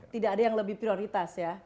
tidak ada yang lebih prioritas ya